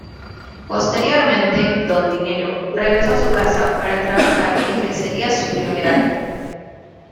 Posteriormente Don Dinero regresó a casa para trabajar el que sería su primer álbum.